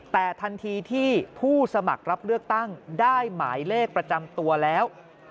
แต่ทันทีที่ผู้สมัครรับเลือกตั้งได้หมายเลขประจำตัวแล้ว